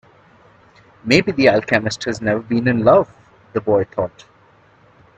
Maybe the alchemist has never been in love, the boy thought.